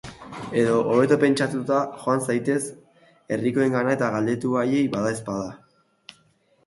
Edo, hobeto pentsatuta, joan zaitez herrikoengana eta galdetu haiei badaezpada.